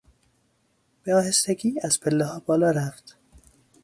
به آهستگی از پلهها بالا رفت.